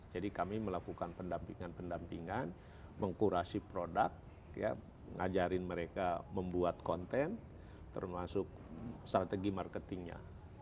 jadi kami melakukan pendampingan pendampingan mengkurasi produk ngajarin mereka membuat konten termasuk strategi marketingnya